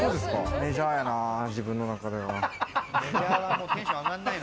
メジャーやなぁ、自分の中では。